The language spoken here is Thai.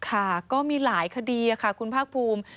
ค่ะก็มีหลายคดีค่ะคุณภาคภูมิ